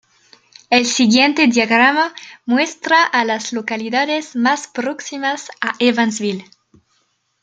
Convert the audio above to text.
El siguiente diagrama muestra a las localidades más próximas a Evansville.